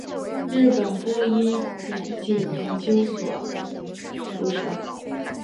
日本播音演技研究所出身。